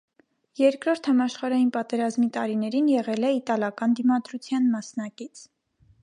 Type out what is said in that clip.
Երկրորդ համաշխարհային պատերազմի տարիներին եղել է իտալական դիմադրության մասնակից։